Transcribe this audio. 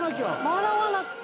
洗わなくて。